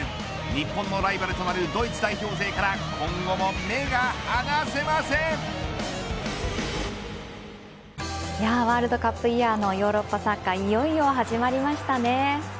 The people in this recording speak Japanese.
日本のライバルとなるドイツ代表勢からワールドカップイヤーのヨーロッパ大会いよいよ始まりましたね。